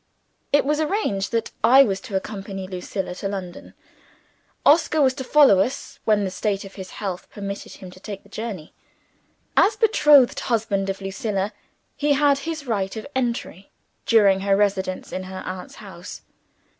It was arranged that I was to accompany Lucilla to London. Oscar was to follow us, when the state of his health permitted him to take the journey. As betrothed husband of Lucilla, he had his right of entry, during her residence in her aunt's house.